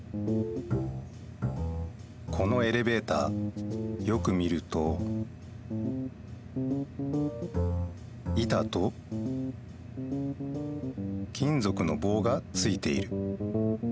このエレベーターよく見ると板と金ぞくの棒がついている。